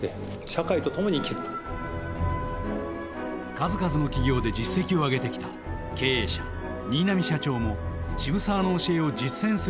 数々の企業で実績を上げてきた経営者新浪社長も渋沢の教えを実践する一人。